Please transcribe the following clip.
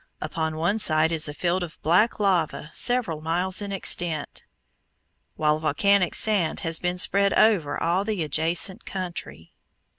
Upon one side is a field of black lava several miles in extent, while volcanic sand has been spread over all the adjacent country.